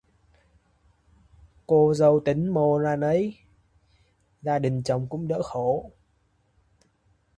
Cô dâu tính mô ra nấy, gia đình chồng cũng đỡ khổ